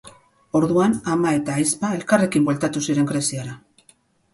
Orduan, ama eta ahizpa elkarrekin bueltatu ziren Greziara.